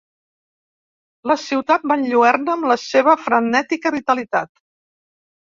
La ciutat m'enlluerna amb la seva frenètica vitalitat.